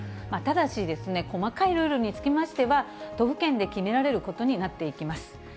ただし、細かいルールにつきましては、都府県で決められることになっていきます。